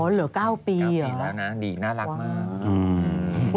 อ๋อเหลือ๙ปีอ่ะ๙ปีแล้วนะดีน่ารักมาก